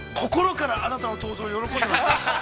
心から、あなたの登場喜んでいます。